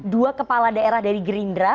dua kepala daerah dari gerindra